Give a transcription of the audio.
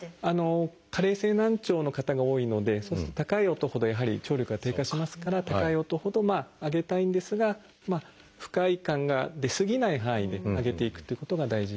加齢性難聴の方が多いのでそうすると高い音ほどやはり聴力が低下しますから高い音ほど上げたいんですが不快感が出過ぎない範囲で上げていくということが大事ですね。